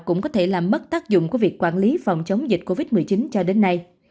cũng có thể làm mất tác dụng của việc quản lý phòng chống dịch covid một mươi chín cho đến nay